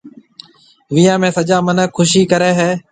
ويهان ۾ سجا مِنک خُوشِي ڪريَ هيَ۔